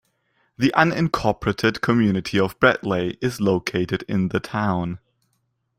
The unincorporated community of Bradley is located in the town.